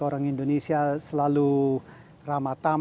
orang indonesia selalu ramadhamma tersenyum